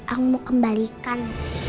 aku mau kembalikan